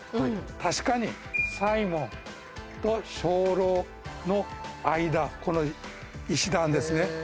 確かに犀門と鐘楼の間この石段ですね。